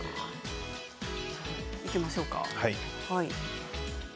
いきましょうか。